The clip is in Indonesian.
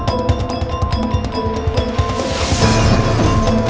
aku akan menemukanmu